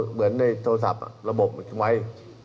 เหมือนในโทรศัพท์ระบบไว้